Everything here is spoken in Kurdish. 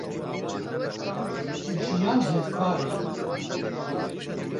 jiyan hevpar e.